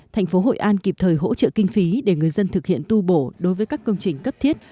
thành phố hội an kịp thời hỗ trợ kinh phí để người dân thực hiện tu bổ đối với các công trình cấp thiết